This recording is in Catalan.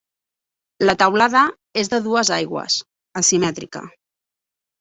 La teulada és a dues aigües, asimètrica.